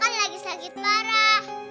tantenya kan lagi sakit parah